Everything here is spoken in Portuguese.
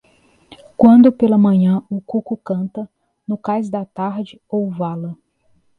Quando pela manhã o cuco canta, no cais da tarde ou vala.